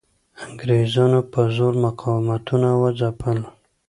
انګریزانو په زور مقاومتونه وځپل.